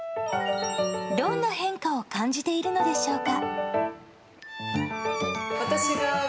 どんな変化を感じているのでしょうか。